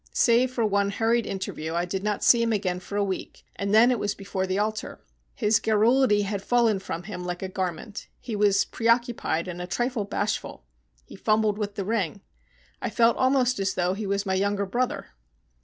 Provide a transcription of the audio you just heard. Save for one hurried interview, I did not see him again for a week, and then it was before the altar. His garrulity had fallen from him like a garment. He was preoccupied and a trifle bashful. He fumbled with the ring. I felt almost as though he was my younger brother.